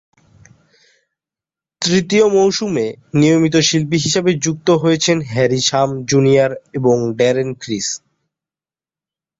তৃতীয় মৌসুমে নিয়মিত শিল্পী হিসেবে যুক্ত হয়েছেন হ্যারি শাম জুনিয়র এবং ড্যারেন ক্রিস।